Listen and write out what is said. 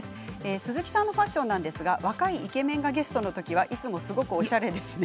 鈴木さんのファッションが若いイケメンがゲストの時はいつもすごくおしゃれですね。